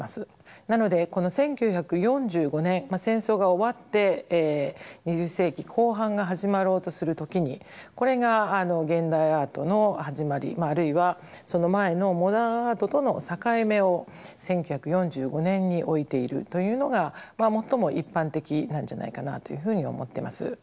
なのでこの１９４５年戦争が終わって２０世紀後半が始まろうとする時にこれが現代アートの始まりあるいはその前のモダンアートとの境目を１９４５年に置いているというのが最も一般的なんじゃないかなというふうに思ってます。